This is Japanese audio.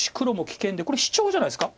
これシチョウじゃないですか。